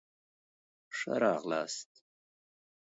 ښه راغلاست